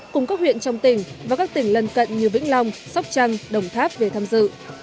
cùng các huyện trong tỉnh và các tỉnh lân cận như vĩnh long sóc trăng đồng tháp về tham dự